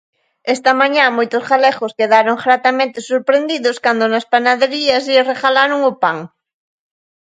Esta mañá moitos galegos quedaron gratamente sorprendidos cando nas panaderías lles regalaron o pan.